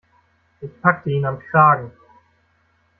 Ich packte ihn am Kragen.